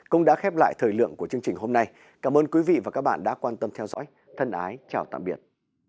cũng đã khép lại thời lượng của chương trình hôm nay cảm ơn quý vị và các bạn đã quan tâm theo dõi thân ái chào tạm biệt